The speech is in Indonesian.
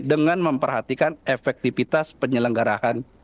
dengan memperhatikan efektivitas penyelenggaraan